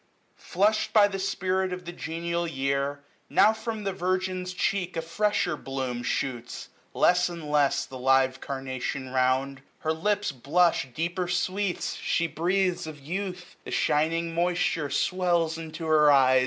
Flushed by the spirit of the genial year, 960 Now from the virgin's cheek a fresher bloom Shoots, less and less, the live carnation round ; Her lips blush deeper sweets ; she breathes of youth ; The shining moisture swells into her eyes.